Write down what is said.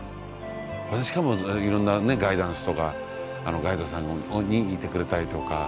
しかもいろんなガイダンスとかガイドさんがいてくれたりとか。